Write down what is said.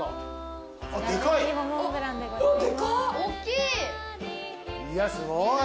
いやすごい。